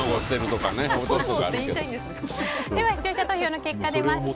視聴者投票の結果出ました。